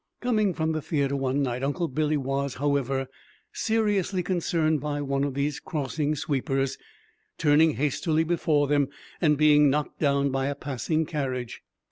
Coming from the theatre one night Uncle Billy was, however, seriously concerned by one of these crossing sweepers turning hastily before them and being knocked down by a passing carriage.